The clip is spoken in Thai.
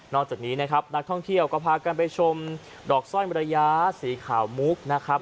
จากนี้นะครับนักท่องเที่ยวก็พากันไปชมดอกสร้อยมรยาสีขาวมุกนะครับ